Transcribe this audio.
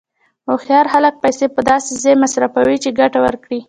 هوښیار خلک پیسې په داسې ځای مصرفوي چې ګټه ورکړي.